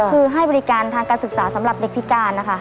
คือให้บริการทางการศึกษาสำหรับเด็กพิการนะคะ